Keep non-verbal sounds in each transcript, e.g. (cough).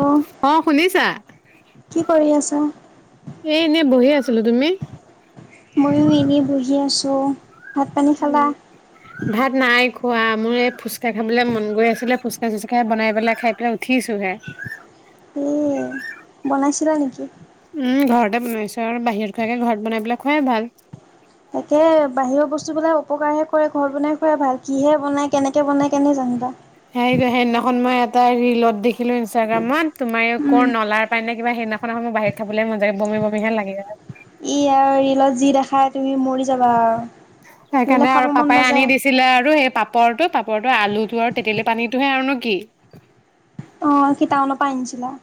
Hello অ' শুনিছা কি কৰি আছা? এনে বহি আছিলো তুমি ময়ো এনেই বহি আছোঁ ভাত পানী খালা? উম ভাত নাই খোৱা মোৰ এই ফুচকা খাবলৈ মন গৈ আছিলে ফুচকা চুচকাে বনাই পেলাই খাই পেলাই উঠিছো হে। উম ছিল নেকি উম, ঘৰতে বনাইছো আৰু বাহিৰত খোৱাকে ঘৰত বনাই পেলাই খোৱাই ভাল। বস্তু পেলাই উপপকাৰহে কৰে ঘৰ বনাই খুৱাই ভাল কিহে বনায় কেনেকৈ বনায় কেনে জানিবা সেইটো সেননাখন মানে এটা ৰৰিলত দেখিলো ইনষ্টাগ্ৰামত তোমাৰ ক উম, নলাৰ পাই নে কিবা সেইদিনাখনোৰ বাহিৰত খাবলৈ মন য কৰিব বিহে লাগে য (inaudible) ই আৰু ৰিলত যি দেখাই তুমি মৰি যাবা আৰু। সেইবিলাক সেইকাৰণে খাব আৰু মন পাপাই আনি নাযায়। দিছিলে আৰু সেই পাপৰটো পাপ ওপৰতো আলুটো আৰু তেতেলী পানীটোহে আৰু ন কি। অ' কি তাউনৰ পা আনিছিলা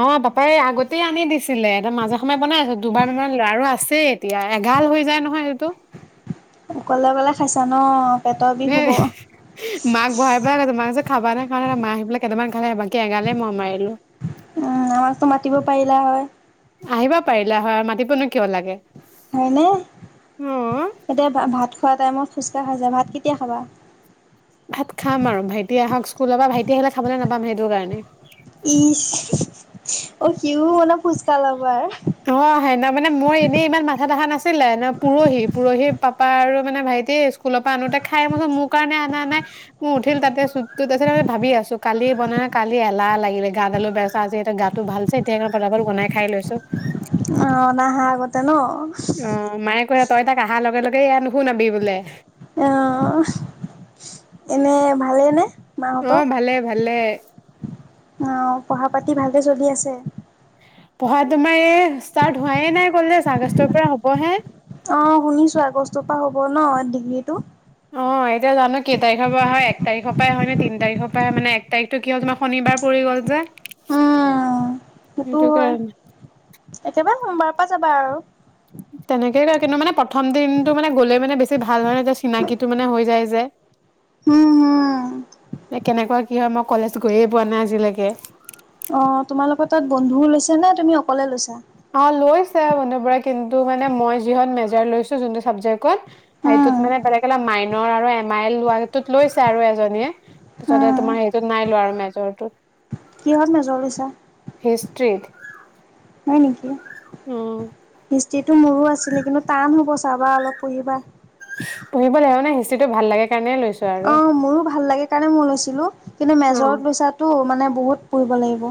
অ', পাপাই আগতেই আনি দিছিলে এটা মাজে সময়ে বনাই আছো দুবাৰ মমান ল আৰু আছে এতিয়া এঘাৰ হৈ যায় নহয় এইটো অকলে অকলে খাইছা ন পেটৰ বিষ এ হ'ব। মাক বহাই পৰা মাক খাবা না কাৰে মাহ স পেলাক কেইামান খালে বাকী এগালে মই মাৰিলো উম আমাকতো মাতিব পাৰিলা হয়। আহিবা পাৰিলা হয় মাতিবনো কিয় লাগে হয়নে অ এতিয়া ভাত। খোৱা টাইমত খোজকাঢ়া যায় ভাত কেতিয়া খাবা ভাত খাম আৰু ভাইটি আহক স্কুলৰ পৰা ভাইটি আহিলে খাবলৈ নাপাম সেইটো কাৰণে। ই অ কি (inaudible) অ' হেনা মানে মই এনেই ইমান মাথা দেখা নাছিলো আছিলে ন পৰহি পৰহি পাপা আৰু মানে ভাইটি স্কুলৰ পৰা আনোতে খাই মচোন মোৰ কাৰণে অনা নাই মোৰ উঠিল তাতে চুটো তাৰ পিছত মি ভাবি আছো কালি বনাইাই কালি এলাহ লাগিলে গা আলু বেচা আ গাটো ভাল হৈচে এতিয়া আকৌ পতাপত বনাই খাই লৈছো অ', নাহা আগতে ন অ' মায়ে কৈছে তই তাক অহাৰ লগে লগে এয়া নুশুনাবি বোলে। অ' এনে ভালে নে অ মাহঁতৰ ভালে ভালে অ' পঢ়া পাতি ভালকে চলি আছে পঢ়া তোমাৰ এই ষ্টাৰ্ট হোৱাইে নাই কলে আগষ্টৰ পৰা হ'বহে অ', শুনিছো আগষ্টৰ পৰা হ'ব ন ডিগ্ৰীটো অ', এতিয়া জানো কেই তাৰিখৰ পৰা হয় এক তাৰিখৰ পৰাই হয় নে তি তিৰ পৰাই মানে এক তাৰিখতটো কি হয় তোমাৰ শনিবাৰ কৰি গল যে উম সেইটো হয় একেবাৰে সোমবাৰৰ পৰা যাবা আৰু তেনেকে কয় কিন্তু মানে প্ৰথম দিনটো মানে গ'লে মানে বেছি ভাল হয় নতিয়া চিনাকিটো মানে হৈ যায় যে উম হুম কেনেকুৱা কি হয় মই কলেজ গৈয়ে পোৱা নাই আজিলৈকে অ' তোমাৰালোকৰ তাত বন্ধুও লৈছা নে তুমি অকলে লৈছা অ' লৈ বধ কিন্তু মান মই যি মেজাৰ লৈছো যোনটো চাবেক উম মানে বেলেগ অ মাইনৰ আৰু এম আইল লোৱা তত লৈছে আৰু এজনীয়ে পিছতে উম। তোমাৰ হেইটোত নাই লোৱা আৰু মেজৰটোত কিহঁত নেজৰ লৈছা? হিষ্ট্ৰীত হয় নেকি? উম। যিটো, মোৰো আছিলে কিন্তু টান হ'ব, চাবা অলপ পঢ়িবা। পঢ়িব লাগিব মানে, হিষ্ট্ৰীটো ভাল লাগে কাৰণেহে লৈছোঁ। অ', মোৰো ভাল লাগে কাৰণে মই লৈছিলোঁ। কিন্তু অ মেজৰত লৈছোঁতো, মানে বহুত পঢ়িব লাগিব।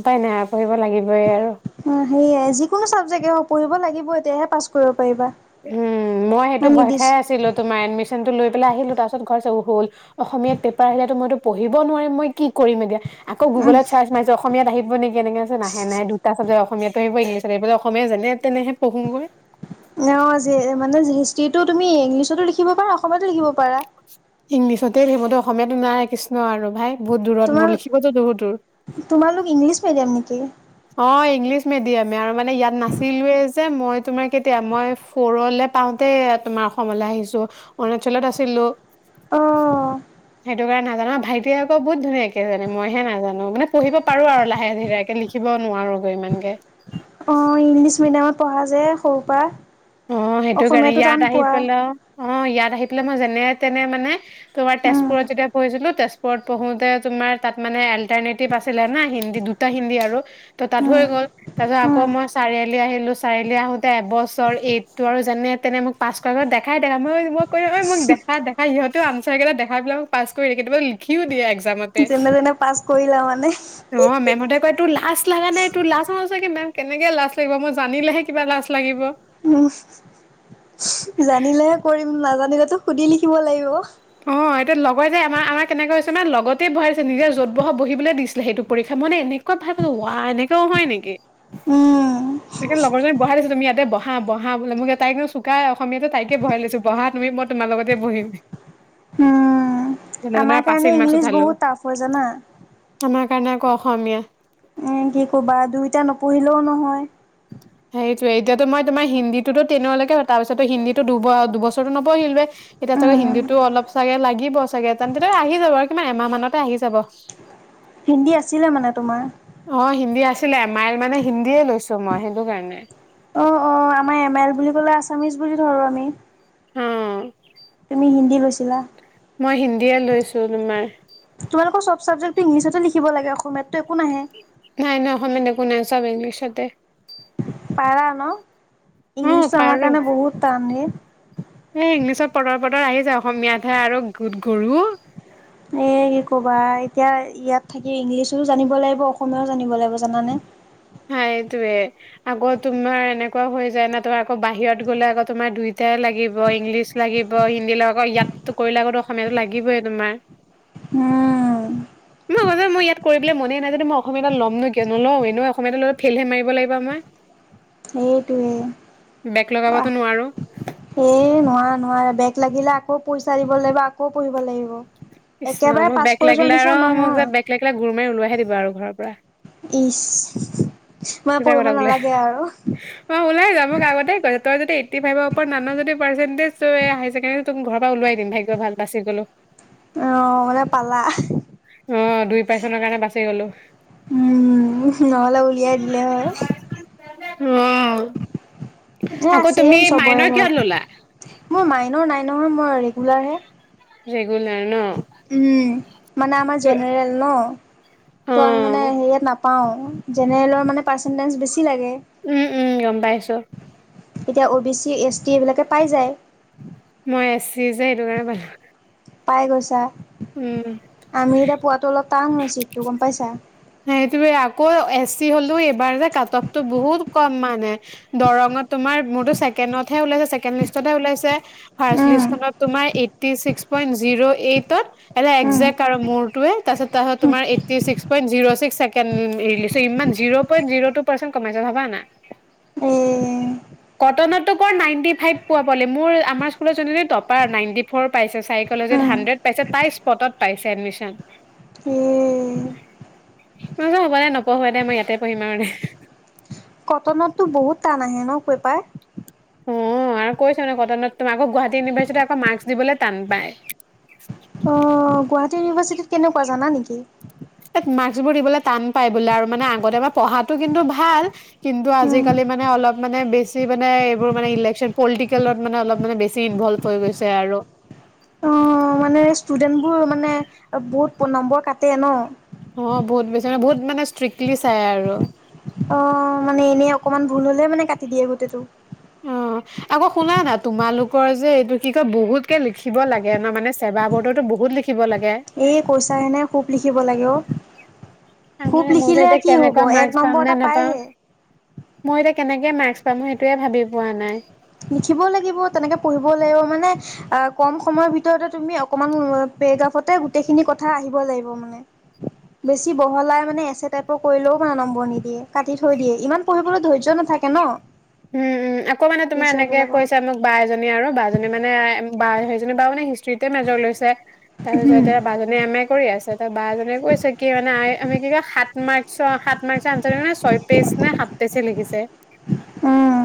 উপায় নাই আৰু, পঢ়িব লাগিবই আৰু অ সেয়াই, যিকোনো ছাবজেক্টে হওক, পঢ়িব লাগিবই, তেতিয়াহে পাছ কৰিব পাৰিবা। উম, মই সেইটো ভয় খাই আছিলোঁ, তোমাৰ এডমিচনটো লৈ পেলাই আহিলোঁ, তাৰ পিছত ঘৰ (unintelligible) অ', হ'ল, অসমীয়াত পেপাৰ আহিলেতো মইতো পঢ়িব নোৱাৰিম, মই কি কৰিম এতিয়া, আকৌ উম গুগলত চাৰ্চছাৰছ মাৰিছো, অসমীয়াত আহিব নেকি, এনেকৈছে নাহে, নাই দুটা ছাবজক্ট অসমীয়াত আহিব, ইংলিছত আহিব অসমীয়া যেনে তেনে (inaudible) অ', যি মানে হিষ্ট্ৰিটো, তুমি ইংলিছতো লিখিব, পাৰা অসমতো লিখিব পাৰা। ইংলিছতে থাকিব, সেইটো অসমীয়াতটো নাই কৃষ্ণ আৰু ভাই। বহুত দূৰত তোমাৰ মোৰ, লিখিবতো বহুত দূৰ। দিয়াম নেকি। অ, ইংলিছ মিডিয়ামে, আৰু মানে ইয়াত নাছিলো যে, মই তোমাৰ কেতিয়া মই ফৰলে পাওঁতে, তোমাৰ অসমলৈ আহিছো, অৰুণাচলত আছিলো। অ সেইটো কাৰণে নাজানো আৰু ভাইটি আকো বহুত ধুনীয়াকে জানে, মইহে নাজানো মানে পঢ়িব পাৰো আৰু লাহে ধিৰেকে। লিখিব নোৱাৰোগৈ, ইমানকে। অ, ইংলিছ মিডিয়ামত পঢ়া যে সৰু পৰা। অ', সেইটো কাৰণে অসমীয়াটো ইয়াত টান আহি পোৱা। পেলাই, অ, ইয়াত আহি পেলাই, মই যেনে, তেনে মানে তোমাৰ উম তেজপুৰত যেতিয়া পঢ়িছিলো তেজপুৰত পঢ়োতে তোমাৰ তাত মানে, অল্টাৰনেটিভ আছিলে ন, হিন্দী, দুটা হিন্দী আৰু গল উম তাৰপিছত আক উম মই চাৰিআলি আহিলো, চাৰিআলি আহোতে, এবচৰ এইট টো, আৰু যেনে, তেনে মোক পাছ কৰাব, দেখাই, দেখাই, মই, মই কো, মোক দেখা, দেখা সিহঁতেও, আনচাৰ কেইটা দেখাই পেলায় মোক পছ কৰি দিয়ে, কেতিাবা লিখিও দিয়ে। টোমতে, যেনে তেনে পাছ কৰিলা মানে অ, মেমহতে কয় তোৰ লাজ লাগা নাই, তোৰ লাজ নাই, মেম কেনেকে লাজ লাগিব, মই জানিলেহে কিবা লাজ লাগিব। উম। জানিলেহে কৰিম, নাজানিলেতো সুধি লিখিব লাগিব। অ। অ, লগৰ যে আমাৰ আমাৰ কেনেকৈ হৈছে মানে লগতে বহাইছে, নিজে যত, বহ বহিবলৈ দিছিলে, সটো পৰীক্ষা মানে এনেকুৱা (unintelligible) ৱাহ এনেকুৱাও, হয় নেকি। উম। (inaudible) সেইে লগৰজনী বহাই দিছো, তম ইয়াতে বহ-বহা বুলি, তাইকোুকাই অসমীয়াাত তকে বহাই লছো বহা তুমি মই তোমাৰ লগতে বহিম। উম যেনে, তেনে আমাৰ কাৰণে পাছিং মাৰ্ক্স ইংলিছ উঠালো, বহুত টাফ হয় জানা আমাৰ কাৰণে আকৌ অসমীয়া। ই, কি কবা দুইটা নপঢ়িলেও নহয়। সেইটোয়ে, এতিয়া মইোমাৰ হিন্দীটো তেনলৈকে, তাৰ পিছতো হিন্দী দু দুবছৰো নপঢ়িলোএ, এতিয়া তাৰপিছত উম হিন্দীতো অলপ চাগে লাগিব চাগে, তেনটো, আহি যাব আৰু কিমান এমাহ মানতে আহি যাব। হিন্দী আছিলে মানে তোমাৰ। অ হিন্দী আছিলে, এ, মাইল মানে হিন্দীয়ে লৈছো মই, সেইটো কাৰণে। মই, এম, আইল বুলি ক'লে আছামিছ বুলি ধৰো আমি। হম। আমি হিন্দী লৈছিলা। মই হিন্দীয়ে লৈছো, তোমাৰ। তোমালোকৰ চব চাবজেক্ট, ইংলিছতে লিখিব লাগে অসমীয়াটোত, একো নাহে। নাই, নাই অসমীয়াত একো নাই চব ইংলিছতে। পাৰা ন, অ ইংলিছটো আমাৰ পাৰো কাৰণে বহুত টানেই। পটৰ পটৰ আহি যায় অসমীয়াতহে আৰু গোট গৰু। এ' কি ক'বা এতিয়া ইয়াত থাকি ইংলিছো জানিব লাগিব অসমীয়াও জানিব লাগিব জানানে। হয়। সেতোয়ে আকৌ তোমাৰ এনেকুৱা হৈ যায় ন তোমাৰ আকৌ বাহিৰত গ'লে আকৌ তোমাৰ দুইটাই লাগিব। ইংলিছ লাগিব হিন্দী লাগিব ইয়াতো কৰিলে আকতো অসমীয়াো লাগিবই তোমাৰ। উম। মই ক মই ইয়াত কৰিবলৈ মনেই নাই য মই অসমীয়া তাত ল'ম নো (inaudible) কিয় নোল এনে অসমীয়া টো লৈ ফেইল হে মাৰিব লাগিবা মই। এইটোৱে। বেগ লগাবতো নোৱাৰো। এই নোৱাৰা নোৱাৰা বেগ লাগিলে আকৌ পইচা দিব লাগিব আকৌ পঢ়িব লাগিব। কৃষ্ণ একেবাৰে মোক পাছ বেগ কৰি যোৱা লাগিলে নিচিনা আৰু মোক নহয় যে বেগ লাগিলে গুুৰ মাৰি ওলাই আহে দিব আৰু ঘৰৰ পৰা। (inaudible) চিধা পঢ়িব কথা বোলে, নালাগে আৰু অ' ওলাই যাম। মোক আগতে তই যদি এইটি ফাইভৰ ওপৰত নান য পাৰ্চেনতীজ এই হাই ছেকেণ্ডাৰীত ঘৰ পৰা ওলাই দিম ভাগ্য ভাল বাছি গলো। আহ মানে পালা। অ' দুই পাৰচেনৰ কাৰণে বাচি গলো। উম, নহ'লে উলিয়াই দিলে হয়। উম হে ছেম চবৰে ল'লা? ঘৰত মোৰ মাইনৰ নাই। নহয় মই ৰেগুলাৰ হে ৰেগুলাৰ ন? উম মানে আমাৰ জেনেৰেল ন। অ ত আমি মানে হে ইয়াত নাপাও জেনেৰেলৰ মানে পাৰ্চেন্টেজ বেছি লাগে উম উম গম পাইছো। এতিয়া অ' বি চি এছ টি এইবিলাকে পাই যায়। মই এছ চি যে সেইটো কাৰণে পালোঁ। পাই গৈছা। আমি এতিয়া পোৱাতো অলপ টান হৈছে চিট তো গম পাইছা। সেইটোৱে আকৌ এচ চি হ'লেও এইবাৰ যে কাট অফ টো বহুত কম মানে দৰঙত তোমাৰ মোৰতো চ ছেকেণ্ডনত হে ওলাইছে ছেকেণ্ড লিষ্টতহে ওলাইছে। ফাৰ্ষ্ট উম, লিষ্ট খনত তোমাৰ এইথী ছিক্স পইণ্ট জিৰো এইটত উম, একজেক আৰু মোৰ টুৱেলভ তাৰছত ত তোাৰ এইটি ছিক্সইট জিৰ' ছিক্ ছেকেডৰিল ইমান zero point zero two percent কমাইছে ভাবা না উম। (unintelligible) কটনতো নাইনটি ফাইভ প পালে মোৰ আমাৰ স্কুলত টপাৰ নাইনটি ফ' পাইছে সাইকো লজি উম, হুন্দ্ৰেদ পাইছে তাই স্পটত পাইছে এডমিচন। উম। ম হ'বা দে নপঢ়া দে মই ইয়াতে পঢ়িম আৰু দে। কটনতটো বহুত টান আহে ন পেপাৰ? অ আৰু কৈছে ন কটনত তুমি আকৌ গুৱাহাটী ইউনিভাৰ্চিটিত আকৌ মাৰ্কচ দিবলৈ টান পায়। অ গুৱাহাটী ইউনিভাৰ্চিটিত কেনেকুৱা জানা নেকি? মাৰ্ক বোৰ দিবলৈ টান পাই বোলে আৰু মানে আগতে তোমাৰ পঢ়াটো কিন্তু ভাল কিন্তু উম, আজিকালি মানে অলপ মানে বেছি মানে এইবোৰ মানে ইলেক্যন পলিটিকেলত মানে অলপ মানে বেছি ইনভলভ হৈ গৈছে আৰু। অ' মানে ষ্টুডেন্টবোৰ মানে বহুত নম্বৰ কাটে ন? অ', বহুত বেছি মানে, বহুত মানে ষ্ট্ৰিক্টলি চাই আৰু। অকণমান ভুল হ'লেই মানে কাটি দিয়ে গোটেইটো। অ' আকৌ শুনা না তোমালোকৰ যে এইটো কি কয় বহুতকে লিখিব লাগে ন মানে ছেৱা বৰ্ডো বহু লিখিব লাগে এই কৈছা হেনে খুব লিখিব লাগে অ' খুব মই যে লিখিলে এতিয়া কি হ'ব কেনেকা ম্ এক পাম নম্বৰ নে এটা নাপাম পায়হে। মই কেনেকে মাৰ্কছ পাম সেইটোয়ে ভাবি পোৱা নাই। লিখিবও লাগিব তেনেকে পঢ়িব লাগিব মানে অ কম সময়ৰ ভিতৰতে তুমি অকমান লিব মানে বেছি বহলাই মানে এচ এ টাইপৰ কৰিলেও মানে নম্বৰ নিদিয়ে কাটি থৈ দিয়ে ইমান পঢ়িবলৈ ধৈৰ্য নাথা থাকে ন উম-উম, আকৌ মানে তোমাৰ টিচাৰ এনেকে বিলাকৰ কৈছে মোক বা এজনীয়ে আৰু বা জনী মানে বা সেইজনী বাই মানে হিষ্ট্ৰীতে মেজৰ লৈছে উম তাৰপিছতে বা জনীয়ে এম এ কৰি আছে ত' বা মান কৈছে কি মানে আমি কি ক সাত মকাত মকে ছয় পেজ নে সাত পেজে লিখিছে উম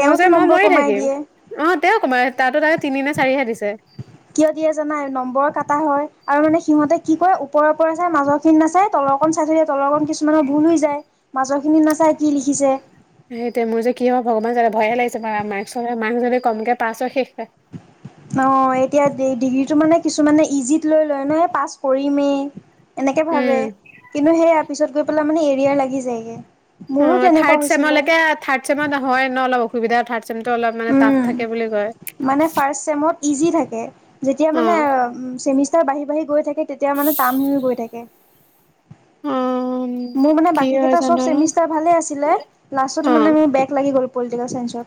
মই যে মই নম্বৰ মৰি কমাই থাকিম দিয়ে। অ তেওঁ কমাই তাতো ত তিনি নে চাৰিহে দিছে কিয় দিয়ে জানা এই নম্বৰ কাটা হয় আৰু মানে সিহতে কি কয় ওপৰে - ওপৰে চাই মাজৰ খিনি নাচাই তল তলৰকন চাইে তলৰকন কিছুমানৰ ভুল হৈ যায় মাজৰখিনিত নাচায় কি লিখিছে স মোৰ যে কি হ ভগৱান চ ভয়ে লাগিছে ম ম্ক ম্ক যদি কমকে পাছ হয় শেষ হয় অ' এতিয়া ডিগ্ৰীটো মানে কিছুমানে ইজিত লৈ লয় ন পাছ কৰিমেই এনেকে ভাবে উম কিন্তু সেইয়া পিছত গৈ পেলাই মানে এৰিয়াাৰ লাগি যায়গে অ মোৰো তেনেকুৱা থাৰ্ড হৈছিলে চেমলৈকে থাৰ্ড চেমত হয় ন অলপ অসুবিধা থাৰ্ড চেমটো অলপ মানে টাফ উম, থাকে বুলি কয়। মানে ফাৰ্ষ্ট চেমত ইজি থাকে যেতিয়া অ মানে েমিষ্টাৰ বাঢ়ি বাঢ়ি গৈ থে মে কাম গৈ থাকে অ মোৰ মানে কি বাকী হয় জানো আৰু কেইবষ্ট ভালে আছিল লা অ মে মোৰে ল পলিটিকেল চসত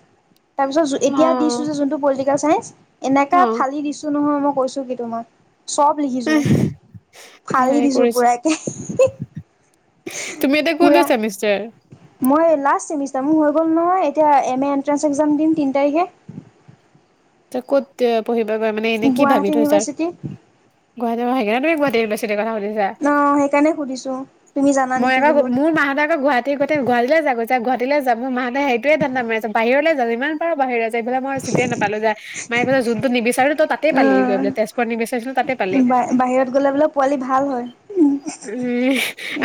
তাৰপিছত অ এতিয়া দিছো যে যোনটো পলিটিকেল চাইস এনেকা অ ফালি দিছো নহয় মই কৈছো কি তোমাক। চব লিখিছো ফালি হেৰি দিছো কৰিছে পুৰাককে তুমি এতিয়া কোনটো ছেমিষ্টাৰ। মই লাষ্ট চেমিষ্টাৰ মোৰ হৈ গ'ল নহয় এতিয়া এম এ এণ্ট্ৰেন্ঞ্চ এক্সাম দিম তিনি তাৰিখে ত ক'ত পঢ়িবা ক মানে এনেই কি ভাবি গুৱাহাটী থৈ ছাৰ ইউনিভাৰ্চিটি গুৱাহাটী আহে ন তুমি গুৱাহাটী বছি কথা সুধছা অ সেইকাৰণে সুধিছো তুমি জানা মই নেকি এবাৰ বোলো মোৰ মাহত আকৌ গুৱাহাটী গোতে গুৱাহালি যাব যা গাহীলৈ যাম মাহঁতে সেইোৱোনা মাৰিছ বাহিৰলৈ যামমান পাৰ বাহিৰ য এইফাল মই চি নাপ পালো যে মায়ে কৈছে যোনটো নিবিচাৰিলি তই তাতে পালি গৈ বোলে উম তেজপুৰত নিবিচাৰিছিলি তাতে পালি। বা বাহিৰত গ'লে পোৱালি ভাল হয় উ উম,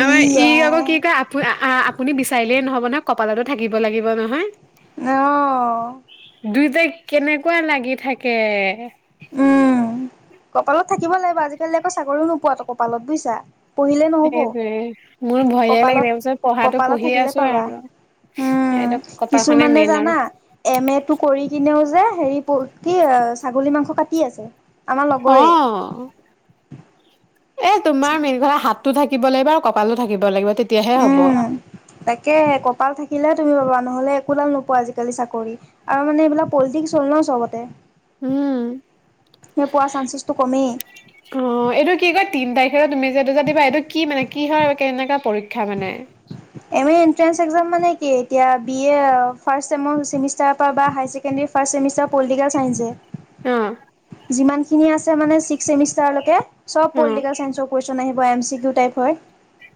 আমাৰ ই আকৌ কি কয় আপ আপুনি বিচ (unintelligible) নহ'ব নহয় কপালতো থাকিব লাগিব নহয়। অ'। দুইট কেনেকুৱা লাগি থাকে উম, কপালত থাকিব লাগিব আজিকালি আকৌ চাকৰিও নোপোৱাতো কপালত বুইছা। পঢ়িলে নহ'ব সেইটোৱে মোৰ ভয়ে লাগে তাৰপিছত পঢ়াটো কপালত-কপালত পঢ়ি থাকিলে আছো পাবা। আৰু উম, এতিয়া কপালখনে কিছুমানে মেইন আৰু জানা এম এ টো কৰি কিনেও যে হেৰি কি ছাগলী মাংস কাটি আছে। আমাৰ লগৰে অ' এ তোমাৰ মিলঘা হাত টো থাকিব লাগিব আৰু কপালো থাকিব লাগিব। তেতিয়াহে হ'ব উম, তাকে কপাল থাকিলে তুমি পাবা নহ'লে একো দাল নোপোৱা আজিকালি চাকৰি আৰু মানে এইবিলাক পলিটিক্স হ'ল ন চবতে। উম। নোপোৱাৰ চানচ অ' এইটো কি কয় তিন তাৰিখে তুমি যে এটো যে দিবা এইটো কি মানে। কি হয় কেনেকা পৰীক্ষা মানে। এম এ এণ্ট্ৰেন্স এক্সাম মানে কি এতিয়া বি এ ফাৰ্ষ্ট চেমৰ ছেমিষ্টাৰ এটা বা হাই ছেকেনদেৰী ফাৰ্ষ্টছেমিষ্টাৰ পলিটিকেল চাইেঞ্চছে। অ যিমান খিনি আছে মানে ছিক্সেমিষ্টাৰেব অ পলিটিক চ আহ। দু টাইপ হয়।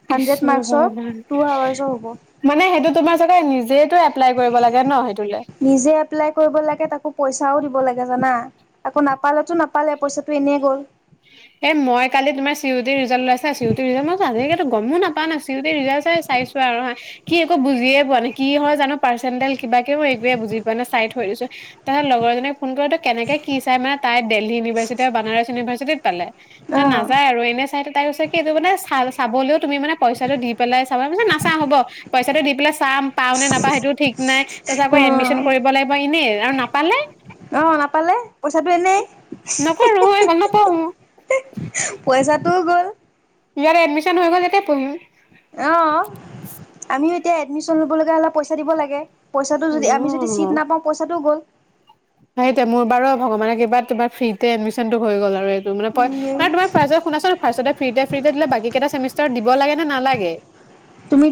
হাণ্ড্ৰেড কৃষ্ণ মাৰ্কচৰ ভগৱান টু আৱাৰ্চৰ হ'ব মানে সেইটো তোমাৰ চাগে নিজে (unintelligible) এপ্লাই কৰিব লাগে ন সেইটোলে। নিজে এপ্লাই কৰিব লাগে তাকো পইচাও দিব লাগে জানা, আকৌ নাপালেতো নাপালে পইচাটো এনেই গ'ল। (inaudible) এ মই কালি তোমাৰ চিউ টিৰ ৰিজাল্ট উলাইছে চিউ টিৰ ৰিজাল্ট আজিলেকে গমো নাপাও না চিউ টিৰ ৰিজাল্ট চাই চোৱা আৰু হা কি একো বুজিয়ে পোৱা নাই কি হয় জানো পাৰ্চণ্টজ কিবাক কেে মই একোৱে বুজি পোৱা নাই চাই থৈ দিছো। তাৰপিছত লগৰজনীক ফোন কৰি তো কেনেকে কি চাই মানে তাই দেলহি ইউভাৰ্চিটি বা বানাৰ ইউনিভাৰ্চিটিত পালে অ নযায় আৰু এনে চাই তাই কি এই মানে চ। চাবলৈও তুমি মানে পইচাটো দি পেলাই চাবা নাচাও হ'ব পইচাটো দি পেলাই চাম পাও নে নাপা সেইটো ঠিক নাই তাৰচত আকৌ এডমিশ্যন কৰিব অ লাগিব এনেই আৰু নাপালে। অ' নাপালে পইচাটো এনেই। নপঢ়ো হয় গল নপঢ়োঁ। ত গ'ল। ইয়াৰ এডমিছন হৈ গ'ল ইয়াতে পঢ়িম। অ আমিও এতিয়া এডমিশ্যন ল'ব লগা হলপ পইচা দিব লাগে। পইচাটো যদি আমি যদি ছিট নাপাওঁ পইচাটো গ'ল। হয় এতিয়া মোৰ বাৰু ভগৱানৰ কৃপাত ফ্ৰীতে এডমিছনটো হৈ গ'ল আৰু। ত' মানে (unintelligible) তোমাৰ ফাৰ্ষ্টত শুনাছোন ফাৰ্ষ্টততে ফ্ৰীতে ফ্ৰী দিলে বাকী কেইটা চেমিষ্টাৰত দিব লাগে নে নালাগে। তুমি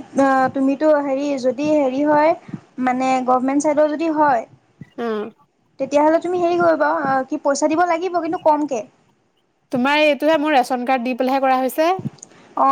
তুমিতো হেৰি যদি হেৰি হয় মানে গভমেন্ট চাইডৰ যদি হয় উম। তেতিয়াহ'লে তুমি হেৰি কৰিবা কি পইচা দিব লাগিব কিন্তু কমকে। তোমাৰ এইটোহে মোৰ ৰেচন কাৰ্ড দি পেলাইহে কৰা হৈছে। অ